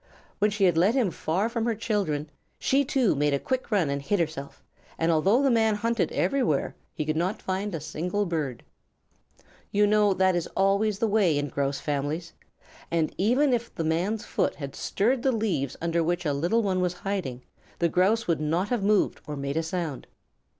When she had led him far from her children, she, too, made a quick run and hid herself; and although the man hunted everywhere, he could not find a single bird. You know that is always the way in Grouse families, and even if the man's foot had stirred the leaves under which a little one was hiding, the Grouse would not have moved or made a sound.